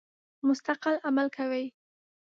مستقل عمل کوي.